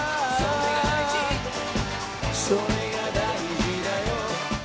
「それが大事だよ」